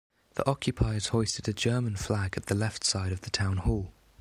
The occupiers hoisted a German flag at the left side of the Town Hall.